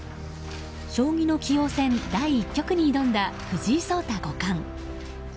将棋の棋王戦第１局に挑んだ藤井聡太五冠。